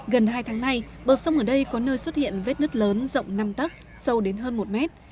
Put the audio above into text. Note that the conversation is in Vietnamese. gần hai tháng nay bờ sông ở đây có nơi xuất hiện vết nứt lớn rộng năm tắc sâu đến hơn một mét